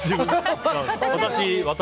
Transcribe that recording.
私？